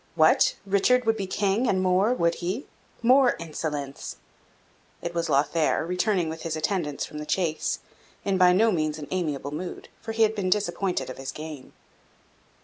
What! Richard would be King, and more, would he? More insolence!" It was Lothaire, returning with his attendants from the chase, in by no means an amiable mood, for he had been disappointed of his game.